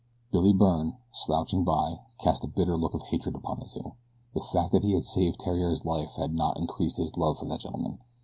Billy Byrne, slouching by, cast a bitter look of hatred upon the two. The fact that he had saved Theriere's life had not increased his love for that gentleman.